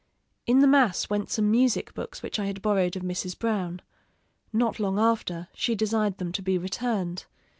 In the mass went some music books which I had borrowed of Mrs. Browne. Not long after, she desired them to be returned.